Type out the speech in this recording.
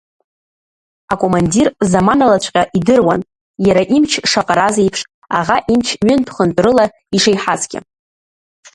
Акомандир заманалаҵәҟьа идыруан, иара имч шаҟараз еиԥш, аӷа имч ҩынтә-хынтә рыла ишеиҳазгьы.